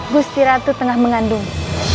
gusti ratu tengah mengandung